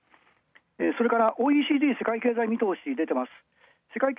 それから、ＯＥＣＤ世界経済見通し出てます。